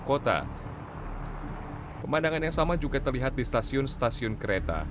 kota kota yang menembus perjalanan menjelaskan ke kota